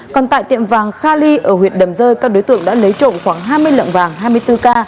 còn tại tiệm vàng kha ly ở huyện đầm rơi các đối tượng đã lấy trộm khoảng hai mươi lậm vàng hai mươi bốn k